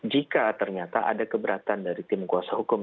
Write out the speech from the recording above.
jika ternyata ada keberatan dari tim kuasa hukum